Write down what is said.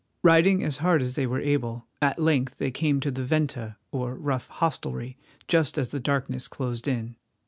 Riding as hard as they were able, at length they came to the venta, or rough hostelry, just as the darkness closed in.